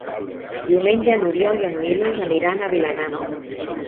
Diumenge n'Oriol i en Milos aniran a Vilanant.